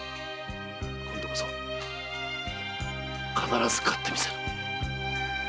今度こそ必ず勝ってみせる！